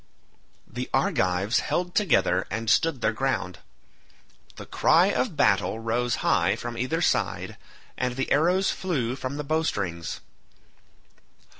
The Argives held together and stood their ground. The cry of battle rose high from either side, and the arrows flew from the bowstrings.